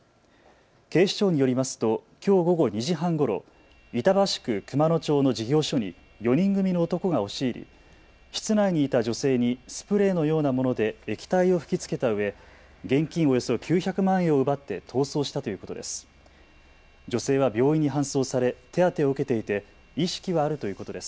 警視庁によりますときょう午後２時半ごろ、板橋区熊野町の事業所に４人組の男が押し入り室内にいた女性にスプレーのようなもので液体を吹きつけたうえ現金およそ９００万円を奪って逃走したということです。